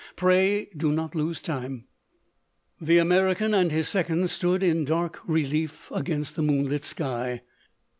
Pray do not lose time." The American and his second stood in dark relief against the moon lit sky.